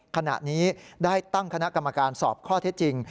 ขณะนี้ได้ตั้งคณะกรรมการสอบข้อเท็จจริง